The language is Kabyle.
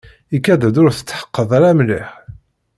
Ikad-d ur tetḥeqqeḍ ara mliḥ.